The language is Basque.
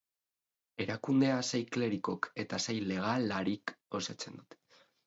Erakundea sei klerikok eta sei legelarik osatzen dute.